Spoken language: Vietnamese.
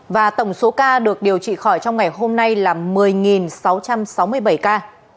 và tổng số ca được điều trị khỏi trong ngày hôm nay là một mươi sáu trăm sáu mươi bảy ca